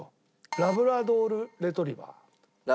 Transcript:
ラブラドール・レトリーバー。